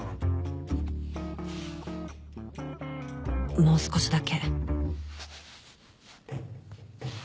もう少しだけ